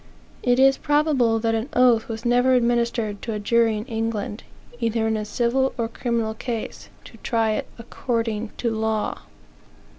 It is probable that an oath was never administered to a jury in England, either in a civil or criminal case, to try it according to law.